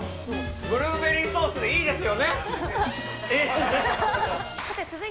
ブルーベリーソースでいいですよ